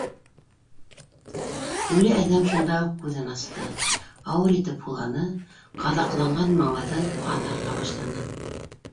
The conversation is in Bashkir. Үле әҙәм шунда уҡ күҙен асты, ауыр итеп һуланы, ҡаҙаҡланған маңлайҙан ҡан һарҡа башланы.